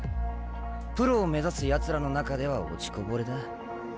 プロを目指すやつらの中では落ちこぼれだ。